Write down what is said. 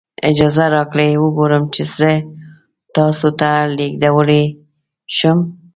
اجازه راکړئ وګورم چې زه تاسو ته لیږدولی شم.